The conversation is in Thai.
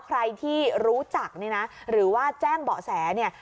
ใครที่รู้จักเนี่ยนะหรือว่าแจ้งเบาะแสเนี่ย